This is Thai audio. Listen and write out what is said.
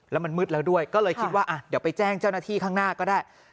แล้วมันมืดแล้วด้วยก็เลยคิดว่าเดี๋ยวไปแจ้งเจ้าหน้าที่ข้างหน้าก็ได้